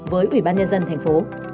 với ủy ban nhân dân tp